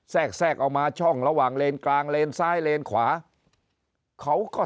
แทรกแทรกออกมาช่องระหว่างเลนกลางเลนซ้ายเลนขวาเขาก็